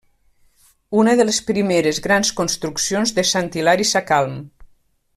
Una de les primeres grans construccions de Sant Hilari Sacalm.